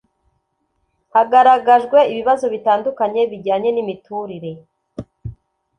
hagaragajwe ibibazo bitandukanye bijyanye n'imiturire